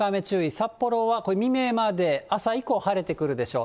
札幌は未明まで、朝以降晴れてくるでしょう。